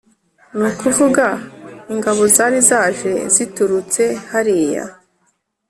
ni ukuvuga ingabo zari zaje ziturutse hariya